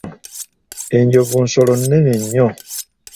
Enjovu nsolo nnene nnyo.